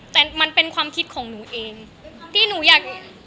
แต่มันเป็นความคิดของหนูเองที่หนูอยาก